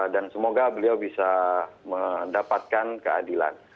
dan semoga beliau bisa mendapatkan keadilan